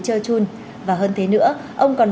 chơ chun và hơn thế nữa ông còn